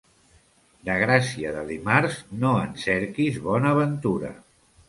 De gràcia de dimarts no en cerquis bona ventura.